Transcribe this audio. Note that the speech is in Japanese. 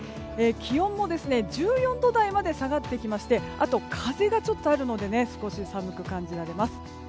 気温も１４度台まで下がってきましてあと風がちょっとあるので少し寒く感じられます。